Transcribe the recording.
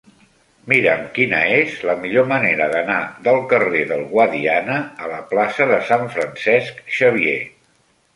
Mira'm quina és la millor manera d'anar del carrer del Guadiana a la plaça de Sant Francesc Xavier.